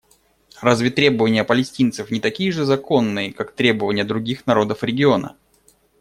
Разве требования палестинцев не такие же законные, как требования других народов региона?